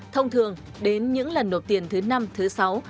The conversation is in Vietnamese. thông thường đến những lần nộp tiền thứ năm thứ sáu